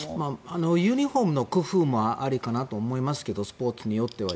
ユニホームの工夫もありかなと思いますがスポーツによっては。